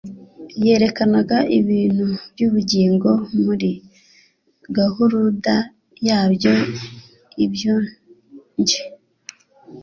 Yerekanaga ibintu by'ubugingo muri gahuruda yabyo iboncye,